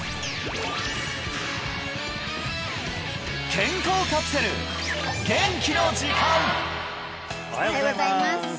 食材のおはようございます